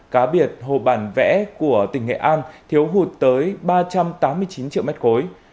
cá biệt hồ bản vẽ của tỉnh nghệ an thiếu hụt tới ba trăm tám mươi chín triệu mét khối